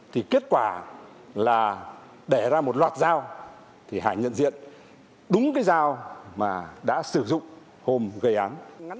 thì kết quả là để ra một loạt dao thì hải nhận diện đúng cái dao mà đã sử dụng hôm gây án